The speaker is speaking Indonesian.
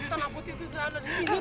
tanah putih tidak ada di sini